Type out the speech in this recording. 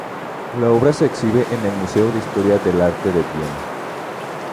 La obra se exhibe en el Museo de Historia del Arte de Viena.